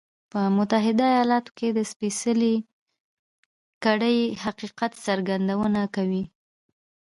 په متحده ایالتونو کې د سپېڅلې کړۍ حقیقت څرګندونه کوي.